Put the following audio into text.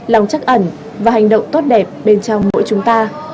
lòng chắc ẩn và hành động tốt đẹp bên trong mỗi chúng ta